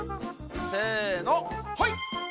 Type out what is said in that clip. せのほい！